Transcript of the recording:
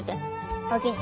おおきに。